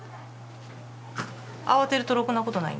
慌てるとろくなことないんで。